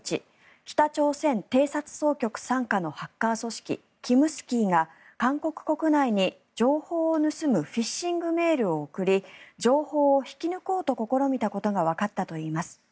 北朝鮮偵察総局傘下のハッカー組織キムスキーが韓国国内に情報を盗むフィッシングメールを送り情報を引き抜こうと試みたことがわかったといいます。